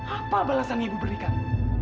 apa balasan ibu berikan